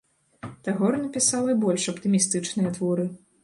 Тагор напісаў і больш аптымістычныя творы.